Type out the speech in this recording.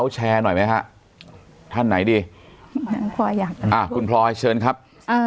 แชร์หน่อยไหมฮะท่านไหนดิอ่าคุณพลอยเชิญครับเอ่อ